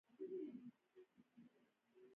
د یوې ټولنې غبرګون هم له بنسټونو سره اړیکه لري.